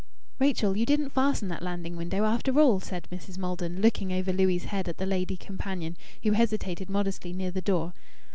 "Rachel, you didn't fasten that landing window, after all!" said Mrs. Maldon, looking over Louis' head at the lady companion, who hesitated modestly near the door.